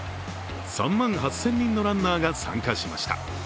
３万８０００人のランナーが参加しました。